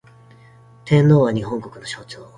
天皇は、日本国の象徴